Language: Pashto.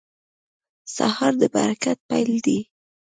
سهار د برکت پیل دی.